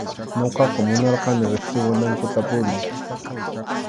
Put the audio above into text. Ñuqaqa munarqani riqsiwanankutapuni.